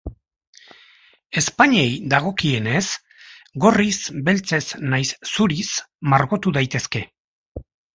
Ezpainei dagokienez, gorriz, beltzez nahiz zuriz margotu daitezke.